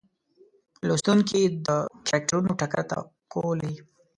لوستونکي د کرکټرونو ټکر توقع لري.